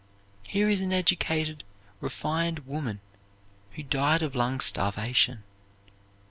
Here is an educated, refined woman who died of lung starvation.